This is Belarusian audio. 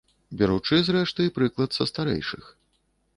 Беручы, зрэшты, прыклад са старэйшых.